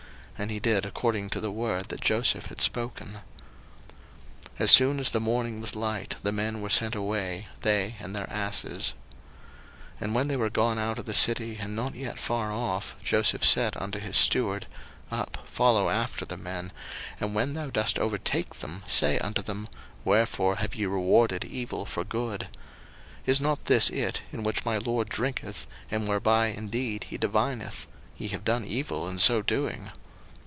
And he did according to the word that Joseph had spoken. 01:044:003 As soon as the morning was light, the men were sent away, they and their asses. 01:044:004 And when they were gone out of the city, and not yet far off, Joseph said unto his steward, Up, follow after the men; and when thou dost overtake them, say unto them, Wherefore have ye rewarded evil for good? 01:044:005 Is not this it in which my lord drinketh, and whereby indeed he divineth? ye have done evil in so doing.